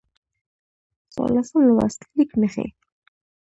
څوارلسم لوست: لیک نښې